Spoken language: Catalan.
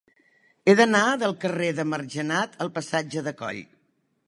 He d'anar del carrer de Margenat al passatge de Coll.